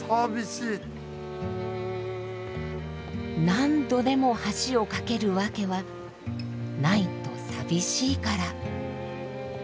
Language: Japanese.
何度でも橋をかける訳はないと寂しいから。